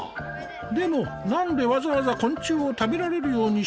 でも何でわざわざ昆虫を食べられるようにしてるんだろう？